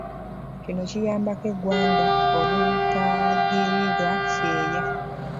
Kino kiyambeko eggwanga obutagwirwa kyeya